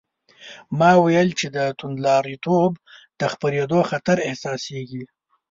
ما وویل چې د توندلاریتوب د خپرېدو خطر احساسېږي.